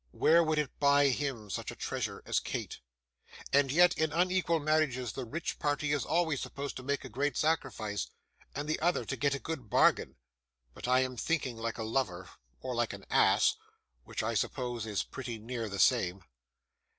Where would it buy him such a treasure as Kate? And yet, in unequal marriages, the rich party is always supposed to make a great sacrifice, and the other to get a good bargain! But I am thinking like a lover, or like an ass: which I suppose is pretty nearly the same.